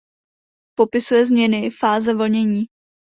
Popisuje změny fáze vlnění.